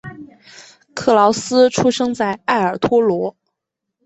克劳斯出生在埃尔托罗。